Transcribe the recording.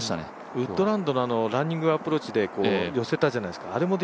ウッドランドのランニングアプローチで寄せたじゃないですか。